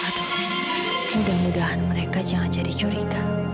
mudah mudahan mereka jangan jadi curiga